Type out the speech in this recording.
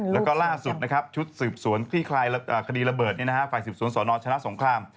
แล้วก็ล่าสุดนะครับชุดสืบสวนคลี่คลายคดีระเบิดฝ่ายสืบสวนสนชนะสงคราม